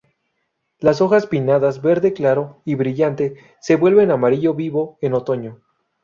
Las hojas pinnadas verde claro y brillante, se vuelven amarillo vivo en otoño.